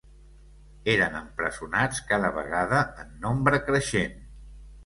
Eren empresonats cada vegada en nombre creixent